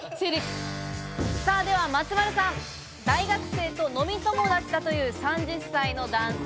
では松丸さん、大学生と飲み友達だという３０歳の男性。